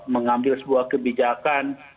mengambil sebuah kebijakan